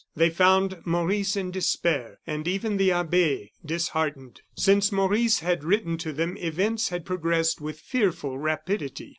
They found Maurice in despair, and even the abbe disheartened. Since Maurice had written to them, events had progressed with fearful rapidity.